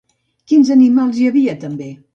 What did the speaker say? Quins animals hi havia també?